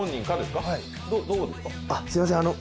あっ、すいません。